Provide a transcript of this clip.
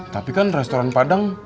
tapi kan restoran padang